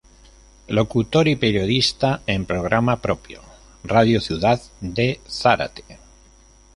Locutor y periodista en programa propio, Radio Ciudad de Zárate.